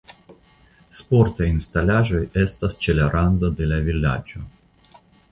Sportaj instalaĵoj estas ĉe la rando de la vilaĝo.